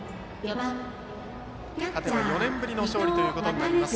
勝てば４年ぶりの勝利となります。